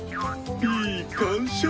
いい感触。